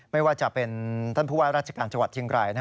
ไม่ว่าจะเป็นท่านผู้ว่าราชการจังหวัดเชียงราย